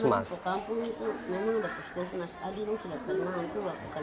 di kampung itu memang sudah puskesmas